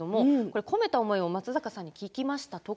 込めた思いを松坂さんに聞きました。